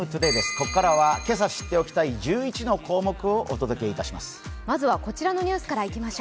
ここからは今朝知っておきたい１１の項目をお届けします。